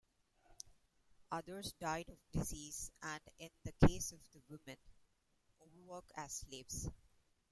Others died of disease and, in the case of the women, overwork as slaves.